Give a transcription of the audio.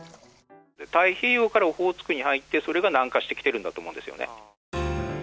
太平洋からオホーツクに入ってそれが南下してきているんだと思うんですよね。